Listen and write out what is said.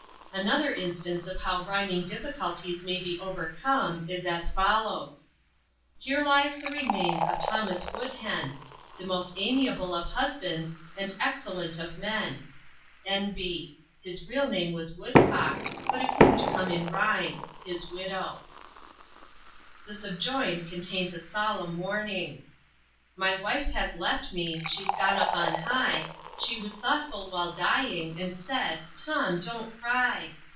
Another instance of how rhyming difficulties may be overcome is as follows: "Here lies the remains of Thomas Woodhen, The most amiable of husbands and excellent of men. "N. B. His real name was Woodcock, but it wouldn't come in rhyme. His Widow." The subjoined contains a solemn warning: "My wife has left me, she's gone up on high, She was thoughtful while dying, and said 'Tom, don't cry.'